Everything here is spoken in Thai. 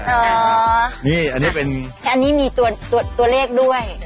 อันนี้มีตัวเลขด้วย